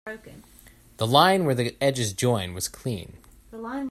The line where the edges join was clean.